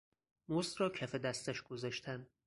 مزد را کف دستش گذاشتن